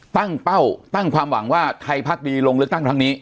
ตั้งเป้าตั้งความหวังว่าไทยพักดีลงเลือกตั้งครั้งนี้